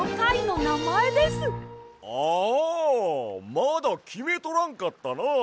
まだきめとらんかったな！